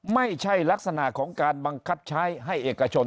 ไม่ใช่ลักษณะของการบังคับใช้ให้เอกชน